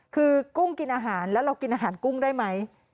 คือกุ้งกินอาหารแล้วเรากินอาหารกุ้งได้ไหม